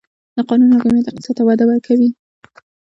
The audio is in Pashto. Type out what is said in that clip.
د قانون حاکمیت اقتصاد ته وده ورکوي؟